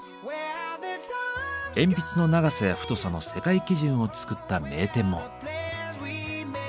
鉛筆の長さや太さの世界基準を作った名店も。